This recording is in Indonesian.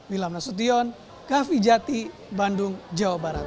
wilham nasution gavi jati bandung jawa barat